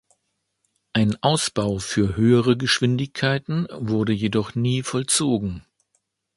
Ein Ausbau für höhere Geschwindigkeiten wurde jedoch nie vollzogen.